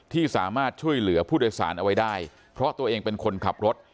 ที่สามารถช่วยเหลือผู้โดยสารเอาไว้ได้เพราะตัวเองเป็นคนขับรถ